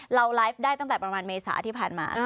เราไลฟ์ได้ตั้งแต่ประมาณเมษาที่ผ่านมา